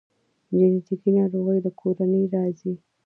جنیټیکي ناروغۍ له کورنۍ راځي